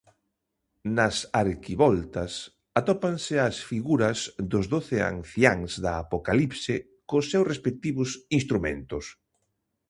Nas arquivoltas atópanse as figuras dos doce anciáns da Apocalipse cos seus respectivos instrumentos.